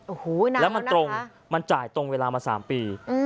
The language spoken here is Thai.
โอ้โหแล้วมันตรงมันจ่ายตรงเวลามา๓ปี